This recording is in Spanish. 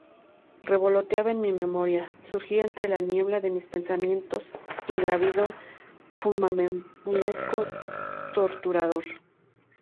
revoloteaba en mi memoria, surgía entre la niebla de mis pensamientos, ingrávido, funambulesco, torturador.